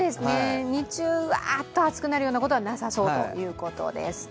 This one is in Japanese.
日中、あっと暑くなるようなことはなさそうということです。